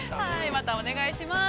◆また、お願いします。